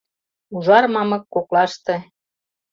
Ужар мамык коклаште